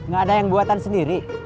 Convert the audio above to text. gak ada yang buatan sendiri